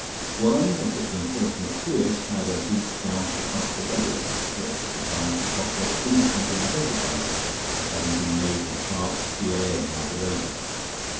One was that the unfortunate Hewitt had a deep gash across the jugular, which the triumphant doctor instantly identified as having been made with a sharp steel edge like a razor.